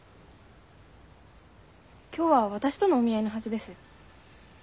今日は私とのお見合いのはずです。